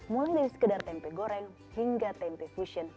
mulai dari sekedar tempe goreng hingga tempe fusion